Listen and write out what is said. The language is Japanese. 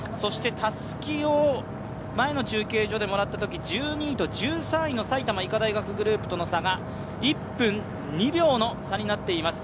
たすきを前の中継所でもらったとき１２位と１３位の埼玉医科大学グループとの差が１分２秒の差になっています。